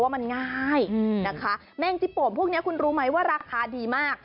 แมงจิโปมพวกนี้คุณรู้ไหมว่าราคาดีมาก